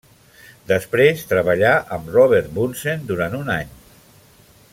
Després treballà amb Robert Bunsen durant un any.